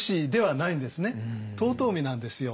遠江なんですよ。